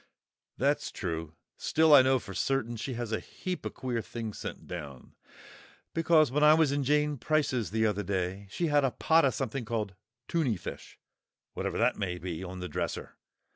"That's true. Still, I know for certain she has a heap of queer things sent down, because when I was in Jane Price's the other day, she had a pot of something called 'tunny fish,' whatever that may be, on the dresser.